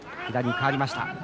左に変わりました。